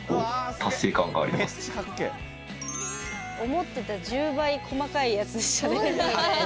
思ってた１０倍細かいやつでしたね。